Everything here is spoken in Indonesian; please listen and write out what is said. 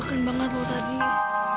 aku juga kan banget loh tadi